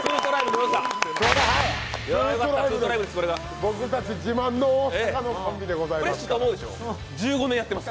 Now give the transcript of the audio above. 僕たち自慢の大阪のコンビです。